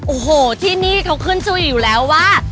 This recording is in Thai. โอ้โหที่นี่เคราะห์ขึ้นช่วยอยู่แล้วนะว่า